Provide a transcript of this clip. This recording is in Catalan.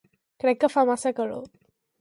Crec que fa massa calor!